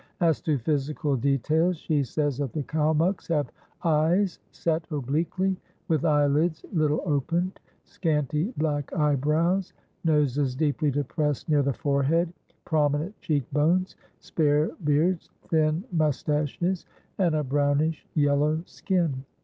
As to physical details, she says that the Kalmuks have eyes set obliquely, with eyelids little opened, scanty black eyebrows, noses deeply depressed near the forehead, prominent cheek bones, spare beards, thin moustaches, and a brownish yellow skin.